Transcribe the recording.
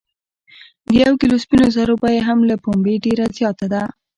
د یو کیلو سپینو زرو بیه هم له پنبې ډیره زیاته ده.